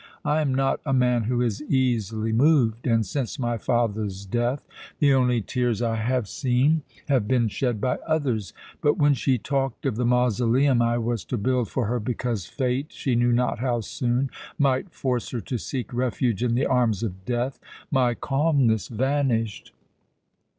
I am not a man who is easily moved, and since my father's death the only tears I have seen have been shed by others; but when she talked of the mausoleum I was to build for her because Fate, she knew not how soon, might force her to seek refuge in the arms of death, my calmness vanished.